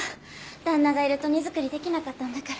旦那がいると荷造りできなかったんだから。